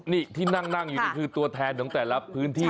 นี่ที่นั่งอยู่นี่คือตัวแทนของแต่ละพื้นที่